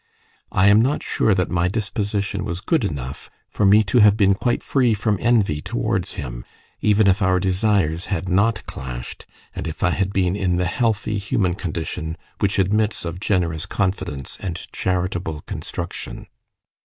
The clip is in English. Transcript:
I am not sure that my disposition was good enough for me to have been quite free from envy towards him, even if our desires had not clashed, and if I had been in the healthy human condition which admits of generous confidence and charitable construction.